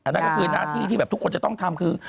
นั่นก็คือลาธิที่ทุกคนจะต้องทำคือ